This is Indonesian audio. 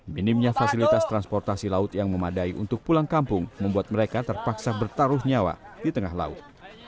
minimnya fasilitas transportasi laut yang memadai untuk pulang kampung membuat mereka terpaksa bertaruh nyawa di tengah laut